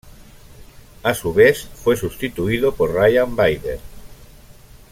A su vez, fue sustituido por Ryan Bader.